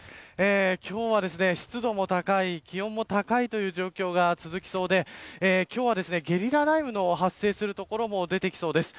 今日は湿度も高い、気温も高いという状況が続きそうで今日はゲリラ雷雨の発生する所も出てきそうです。